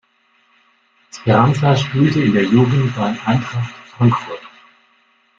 Speranza spielte in der Jugend bei Eintracht Frankfurt.